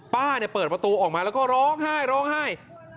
ป้าเปิดประตูออกมาแล้วยาดทรงห้าย